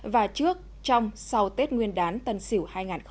và trước trong sau tết nguyên đán tân sỉu hai nghìn hai mươi một